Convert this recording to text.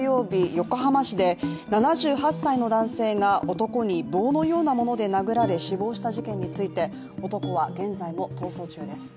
横浜市で７８歳の男性が男に棒のようなもので殴られ、死亡した事件について男は現在も逃走中です。